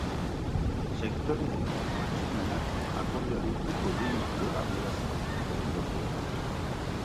Sektorerik matxinoenak akordioari uko egingo diola adierazi du, hori lortuz gero.